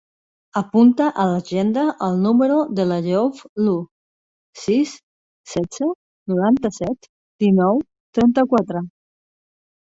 Apunta a l'agenda el número de l'Àyoub Lu: sis, setze, noranta-set, dinou, trenta-quatre.